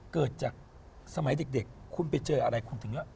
เกิดจากสมัยเด็กคุณไปเจออะไรคุณถึงว่า